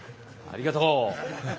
ありがとう。